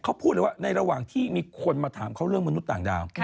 เขาพูดเลยว่าในระหว่างที่มีคนมาถามเขาเรื่องมนุษย์ต่างดาว